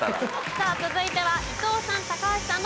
さあ続いては伊藤さん高橋さんの挑戦です。